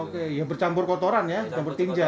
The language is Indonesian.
oke ya bercampur kotoran ya bercampur tinja